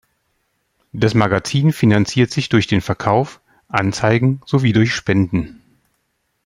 Das Magazin finanziert sich durch den Verkauf, Anzeigen sowie durch Spenden.